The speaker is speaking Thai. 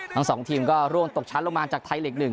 ทั้งสองทีมก็ร่วงตกชั้นลงมาจากไทยลีก๑